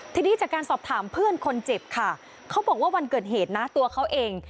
ทีนี้จากการสอบถามเพื่อนคนเจ็บค่ะเขาบอกว่าวันเกิดเหตุนะตัวเขาเอง